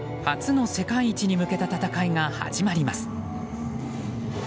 初の世界一に向けた戦いが始まります。